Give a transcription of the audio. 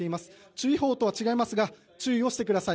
注意報とは違いますが注意をしてください。